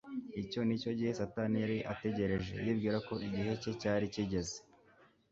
Icyo ni cyo gihe Satani yari ategereje. Yibwiraga ko igihe cye cyari kigeze,